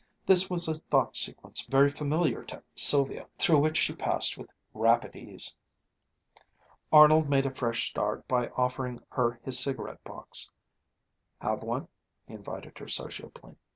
This was a thought sequence very familiar to Sylvia, through which she passed with rapid ease. Arnold made a fresh start by offering her his cigarette box. "Have one," he invited her, sociably.